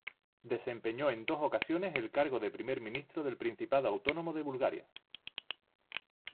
Desempeñó en dos ocasiones el cargo de primer ministro del Principado autónomo de Bulgaria.